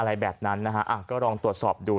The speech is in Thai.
อะไรแบบนั้นนะฮะก็ลองตรวจสอบดู